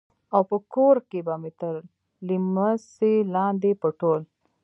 او په کور کښې به مې تر ليمڅي لاندې پټول.